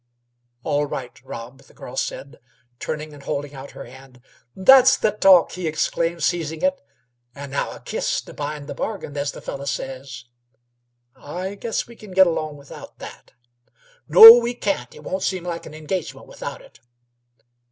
"All right, Rob," the girl said, turning and holding out her hand. "That's the talk!" he exclaimed, seizing it. "And now a kiss, to bind the bargain, as the fellah says." "I guess we c'n get along without that." "No, we can't. It won't seem like an engagement without it."